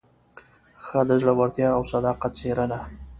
ښځه د زړورتیا او صداقت څېره ده.